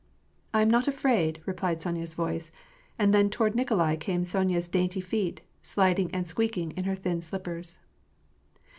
" I am not afraid," replied Sonya's voice ; and then toward Nikolai came Sonya's dainty feet, sliding and squeaking in her thin slippers.